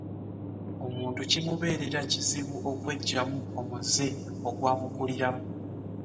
Omuntu kimuberera kizibu okwegyamu omuzze ogwa mukuliramu.